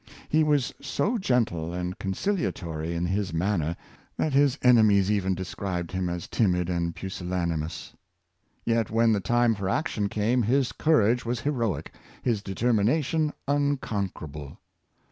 He was so gentle and con ciliatory in his manner that his enemies even described 478 Uses of Strong Te7}iper, him as timid and pusillanimous. Yet, when the time for action came, his courage was heroic, his determina tion unconquerable.